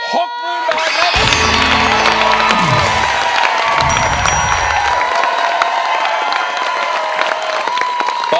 หกหมื่นบาทครับ